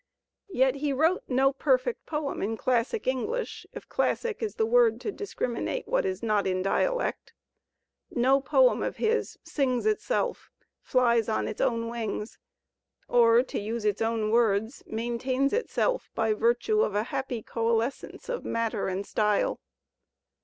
Yet he wrote no perfect poem in classic English (if classic is the word to discriminate what is not in dialect); no poem of his sings itself, flies on its own wings or, to use its own words, *' maintains itself ' by virtue of a happy coalescence of matter and style."